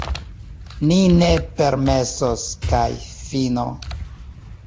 Ni ne permesos, kaj fino!